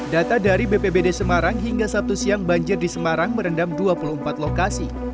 data dari bpbd semarang hingga sabtu siang banjir di semarang merendam dua puluh empat lokasi